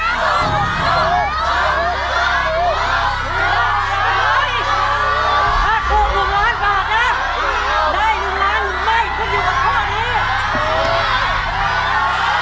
ถ้าถวงกลอนวานก่อนนะ